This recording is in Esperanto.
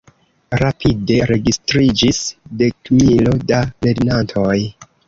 Rapide registriĝis dekmilo da lernantoj.